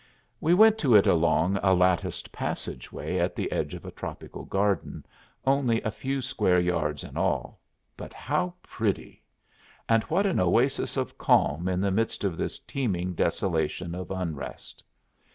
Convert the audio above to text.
We went to it along a latticed passage at the edge of a tropical garden, only a few square yards in all, but how pretty! and what an oasis of calm in the midst of this teeming desolation of unrest!